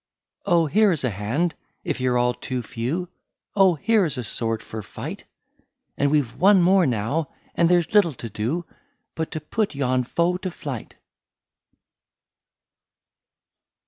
" Oh ! here is a hand, if you 're all too few, Oh ! here is a sword for fight ; And we Ve one more now, and there 's little to do, But to put yon foe to flight."